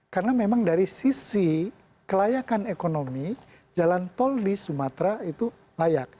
karena memang dari sisi kelayakan ekonomi jalan tol di sumatera itu layak